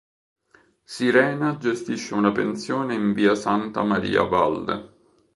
Sirena gestisce una pensione in via Santa Maria Valle.